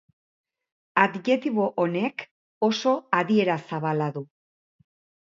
Adjektibo honek oso adiera zabala du.